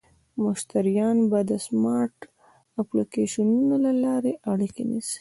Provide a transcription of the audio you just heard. مشتریان به د سمارټ اپلیکیشنونو له لارې اړیکه نیسي.